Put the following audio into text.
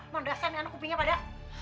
mau derasin anak kupingnya pada